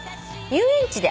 遊園地ね。